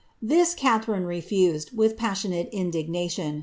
This Catharine refused, with passionate indignation.